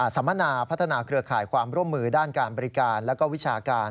สัมมนาพัฒนาเครือข่ายความร่วมมือด้านการบริการและวิชาการ